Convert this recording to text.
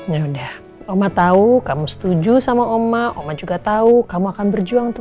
ya udah omah tahu kamu setuju sama omah omah juga tahu kamu akan berjuang untuk